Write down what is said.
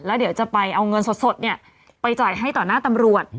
แล้วเดี๋ยวจะไปเอาเงินสดไปจ่ายให้ต่อหน้าตำรวจ